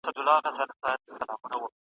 خریدار به دي راغلی د اوربل وي .